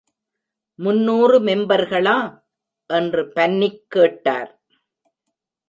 முன்னூறு மெம்பர்களா? என்று பன்னிக் கேட்டார்.